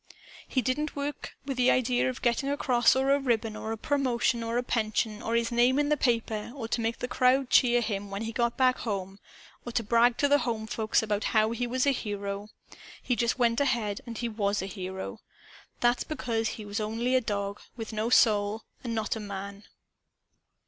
"He didn't work with the idea of getting a cross or a ribbon or a promotion or a pension or his name in the paper or to make the crowd cheer him when he got back home, or to brag to the homefolks about how he was a hero. He just went ahead and WAS a hero. That's because he was only a dog, with no soul and not a man.